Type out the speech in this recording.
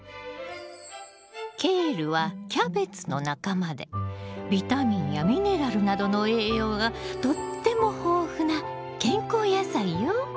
ケールはキャベツの仲間でビタミンやミネラルなどの栄養がとっても豊富な健康野菜よ。